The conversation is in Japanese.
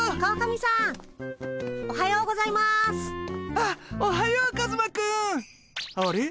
あっおはようカズマくん。あれ？